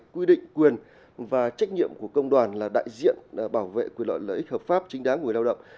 quy định quyền và trách nhiệm của công đoàn là đại diện bảo vệ quyền lợi lợi ích hợp pháp chính đáng của người lao động